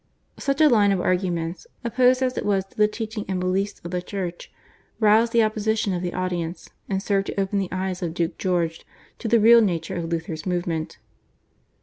Such a line of arguments, opposed as it was to the teaching and beliefs of the Church, roused the opposition of the audience, and served to open the eyes of Duke George to the real nature of Luther's movement.